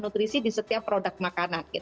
nutrisi di setiap produk makanan